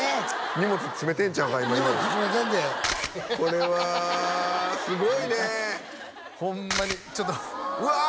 荷物詰めてんちゃうか今荷物詰めてんでこれはすごいねホンマにちょっとうわ！